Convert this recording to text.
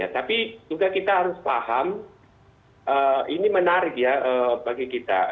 tapi juga kita harus paham ini menarik ya bagi kita